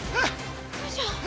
よいしょ。